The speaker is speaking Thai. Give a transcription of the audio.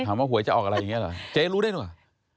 ถามว่าหวยจะออกอะไรอย่างนี้เหรอเจ๊รู้ได้หนูก่อน